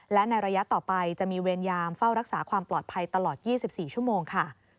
และในระยะต่อไปจะมีเวรยามเฝ้ารักษาความปลอดภัยตลอด๒๔ชั่วโมงค่ะ